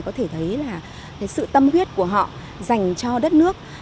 có thể thấy là sự tâm huyết của họ dành cho đất nước